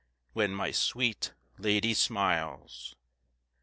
When my sweet lady smiles.